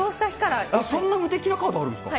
そんなに無敵なカードあるんですか？